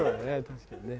確かにね。